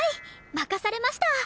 任されました！